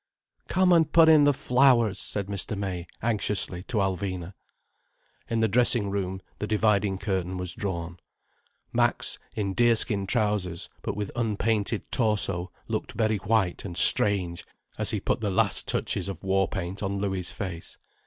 "Come and put in the flowers," said Mr. May anxiously, to Alvina. In the dressing room, the dividing curtain was drawn. Max, in deerskin trousers but with unpainted torso looked very white and strange as he put the last touches of war paint on Louis' face.